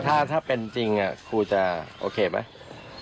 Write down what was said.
ถ้าเป็นจริงครูจะโอเคไหม